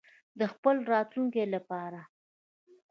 د خپل راتلونکي لپاره.